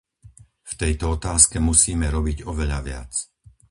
V tejto otázke musíme robiť oveľa viac.